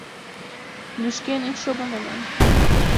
— Лӱшкен ит шого, манам.